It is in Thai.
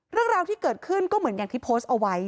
เรื่องราวที่เกิดขึ้นก็เหมือนอย่างที่โพสต์เอาไว้